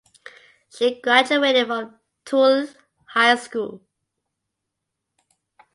She graduated from Tooele High School.